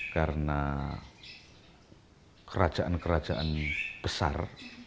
karena kerajaan kerajaan besar